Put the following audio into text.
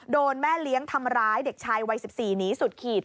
แม่เลี้ยงทำร้ายเด็กชายวัย๑๔หนีสุดขีด